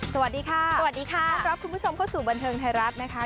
สวัสดีค่ะสวัสดีค่ะต้อนรับคุณผู้ชมเข้าสู่บันเทิงไทยรัฐนะคะ